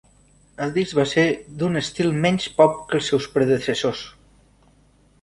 El disc va ser d'un estil menys pop que el seu predecessor.